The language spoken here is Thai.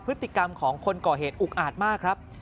พฤติกรรมของคนก่อเหตุอุกอาจมากครับ